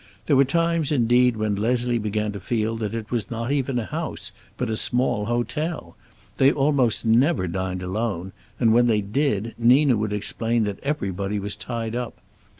There were times, indeed, when Leslie began to feel that it was not even a house, but a small hotel. They almost never dined alone, and when they did Nina would explain that everybody was tied up.